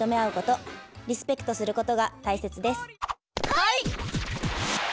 はい！